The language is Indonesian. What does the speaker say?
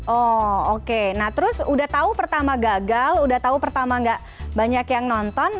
oh oke nah terus udah tahu pertama gagal udah tahu pertama gak banyak yang nonton